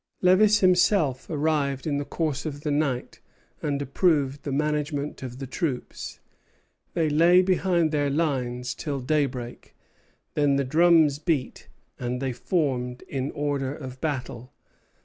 Lévis himself arrived in the course of the night, and approved the arrangement of the troops. They lay behind their lines till daybreak; then the drums beat, and they formed in order of battle.